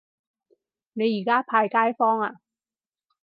你而家派街坊呀